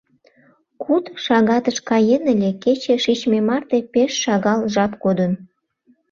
Куд шагатыш каен ыле, — кече шичме марте пеш шагал жап кодын.